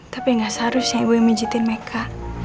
tapi gak seharusnya ibu yang pijitin meka